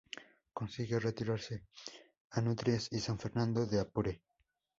Consigue retirarse a Nutrias y San Fernando de Apure.